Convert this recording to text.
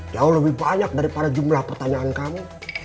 jauh lebih banyak daripada jumlah pertanyaan kami